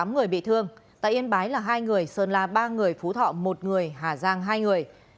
tám người bị thương tại yên bái là hai người sơn la ba người phú thọ một người hà giang hai người